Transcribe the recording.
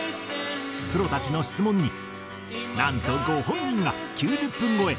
プロたちの質問になんとご本人が９０分超え